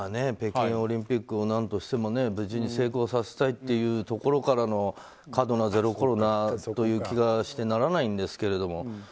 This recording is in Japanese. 北京オリンピックを何としても無事に成功させたいというところからの過度なゼロコロナという気がしてならないんですけど。